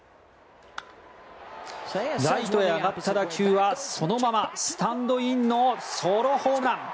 ライトへ上がった打球はそのままスタンドインのソロホームラン！